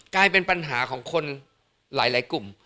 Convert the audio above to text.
กลายเป็นปัญหาของคนหลายกลุ่ม